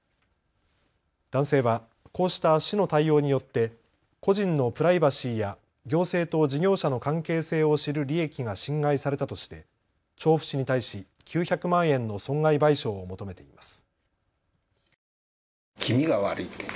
男性はこうした市の対応によって個人のプライバシーや行政と事業者の関係性を知る利益が侵害されたとして調布市に対し９００万円の損害賠償を求めています。